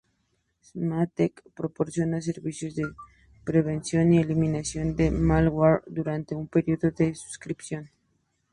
Symantec proporciona servicios de prevención y eliminación de malware durante un período de suscripción.